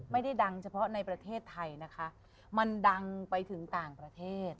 ไม่ได้ดังเฉพาะในประเทศไทยนะคะมันดังไปถึงต่างประเทศ